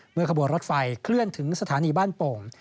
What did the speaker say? ขบวนรถไฟเคลื่อนถึงสถานีบ้านโป่ง